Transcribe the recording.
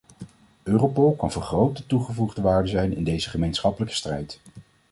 Europol kan van grote toegevoegde waarde zijn in deze gemeenschappelijke strijd.